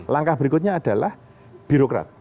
langkah berikutnya adalah birokrat